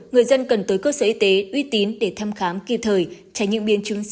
người dân cần tới cơ sở y tế uy tín để thăm khám kịp thời tránh những biên chứng xảy ra